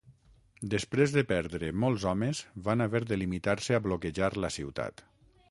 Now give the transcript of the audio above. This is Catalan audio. Després de perdre molts homes van haver de limitar-se a bloquejar la ciutat.